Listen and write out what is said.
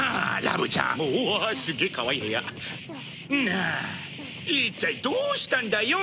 なあ一体どうしたんだよ？